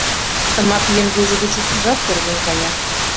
Тымапийын вуйжо гыч упшыжат пӧрдын кая.